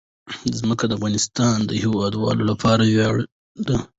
ځمکه د افغانستان د هیوادوالو لپاره ویاړ دی.